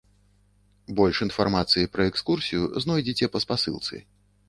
Больш інфармацыі пра экскурсію знойдзеце па спасылцы.